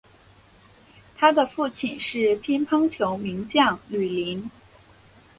他的父亲是乒乓球名将吕林。